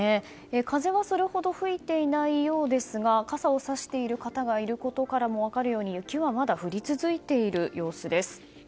風はそれほど吹いていないようですが傘をさしている方がいることからも分かるように雪はまだ降り続いている様子です。